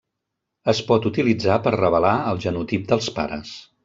Es pot utilitzar per revelar el genotip dels pares.